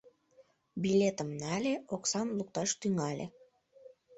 Билетым нале, оксам лукташ тӱҥале.